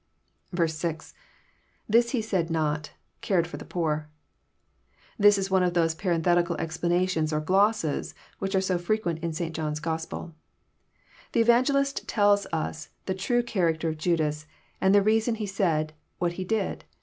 f» B,^lThi8 lie said not.,. eared for the poor,"} This is one of those parenthetical explanations or glosses, which are so frequent in St. John's Gospel. The Evangelist tells us the true character of Judas, and the reason he said what he did.